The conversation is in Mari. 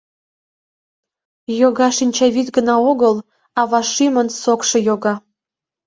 Йога шинчавӱд гына огыл, ава шӱмын сокшо йога.